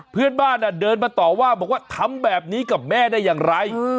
เพื่อนบ้านเดินมาต่อว่าบอกว่าทำแบบนี้กับแม่ได้อย่างไร